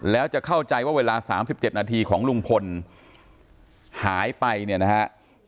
แล้วจะเข้าใจว่าเวลา๓๗นาทีของลุงพลหายไปเนี่ยนะฮะ